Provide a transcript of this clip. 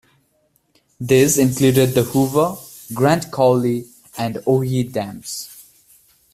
These included the Hoover, Grand Coulee and Owyhee dams.